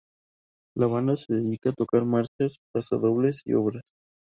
La banda se dedica a tocar marchas, pasodobles y obras.